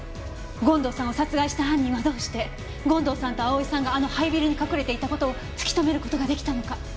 権藤さんを殺害した犯人はどうして権藤さんと蒼さんがあの廃ビルに隠れていた事を突き止める事が出来たのか。